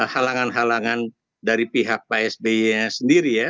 halangan halangan dari pihak pak sby sendiri ya